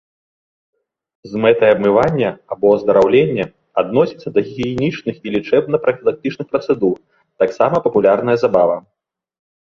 З мэтай абмывання або аздараўлення адносіцца да гігіенічных і лячэбна-прафілактычных працэдур, таксама папулярная забава.